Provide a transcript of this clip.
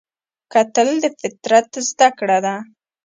کتل د فطرت زده کړه ده